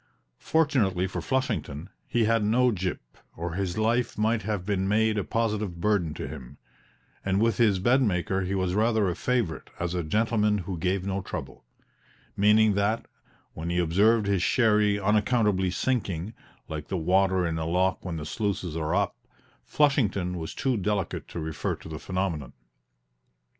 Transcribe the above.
Fortunately for Flushington, he had no gyp, or his life might have been made a positive burden to him, and with his bedmaker he was rather a favorite as "a gentleman what gave no trouble" meaning that, when he observed his sherry unaccountably sinking, like the water in a lock when the sluices are up, Flushington was too delicate to refer to the phenomenon.